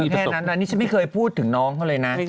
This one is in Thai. แค่นั้นอันนี้ฉันไม่เคยพูดถึงน้องเขาเลยนะ